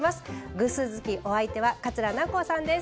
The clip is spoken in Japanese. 偶数月、お相手は桂南光さんです。